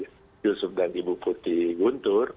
pak yusuf dan ibu putih guntur